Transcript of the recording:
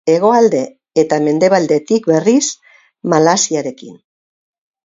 Hegoalde eta mendebaldetik, berriz, Malaysiarekin.